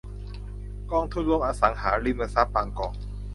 กองทุนรวมอสังหาริมทรัพย์บางกอก